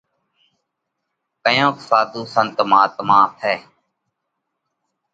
ڪيونڪ ساڌُو سنت مهاتما ٿئه